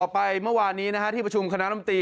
ไปเมื่อวานนี้ที่ประชุมคณะลำตี